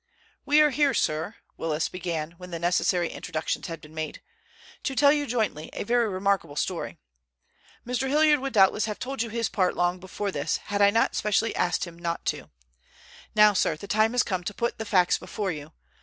"We are here, sir," Willis began, when the necessary introductions had been made, "to tell you jointly a very remarkable story. Mr. Hilliard would doubtless have told you his part long before this, had I not specially asked him not to. Now, sir, the time has come to put the facts before you.